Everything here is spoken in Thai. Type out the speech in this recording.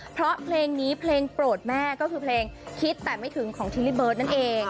เพราะเพลงนี้เพลงโปรดแม่ก็คือเพลงคิดแต่ไม่ถึงของทิลลี่เบิร์ตนั่นเอง